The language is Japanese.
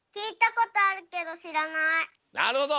なるほど。